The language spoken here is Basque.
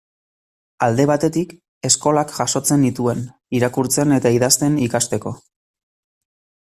Alde batetik, eskolak jasotzen nituen, irakurtzen eta idazten ikasteko.